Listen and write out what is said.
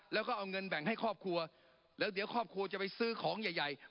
แล้วก็เอาเงินแบ่งให้ครอบครัวแล้วเดี๋ยวครอบครัวจะไปซื้อของใหญ่ใหญ่